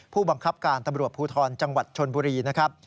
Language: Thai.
ผู้บังคับการตำรวจภูทรจังหวัดชนบุรีนะครับ